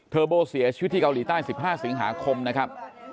โบเสียชีวิตที่เกาหลีใต้๑๕สิงหาคมนะครับ